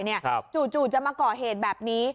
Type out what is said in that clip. เนี้ยครับจู่จู่จะมาเกาะเหตุแบบนี้